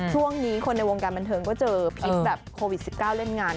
ช่วงนี้คนในวงการบันเทิงก็เจอพิษแบบโควิด๑๙เล่นงาน